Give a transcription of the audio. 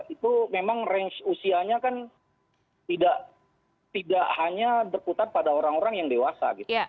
itu memang range usianya kan tidak hanya berputar pada orang orang yang dewasa gitu